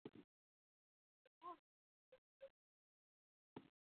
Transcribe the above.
Dhi moti e wigot mali.